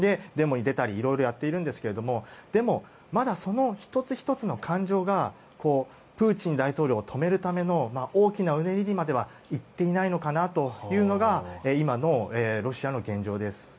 デモに出たりいろいろやっているんですがまだ、その１つ１つの感情がプーチン大統領を止めるための大きなうねりにまではいっていないのかなというのが今のロシアの現状です。